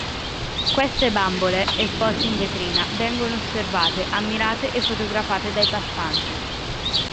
Queste bambole esposte in vetrina vengono osservate, ammirate e fotografate dai passanti.